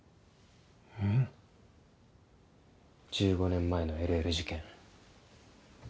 １５年前のＬＬ事件。